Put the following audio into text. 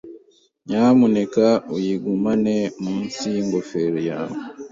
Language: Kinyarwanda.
Nyamuneka uyigumane munsi yingofero yawe.